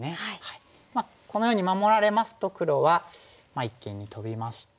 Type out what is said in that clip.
このように守られますと黒は一間にトビまして。